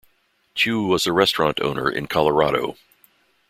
Chiu was a restaurant owner in Colorado.